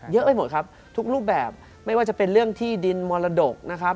เยอะไปหมดครับทุกรูปแบบไม่ว่าจะเป็นเรื่องที่ดินมรดกนะครับ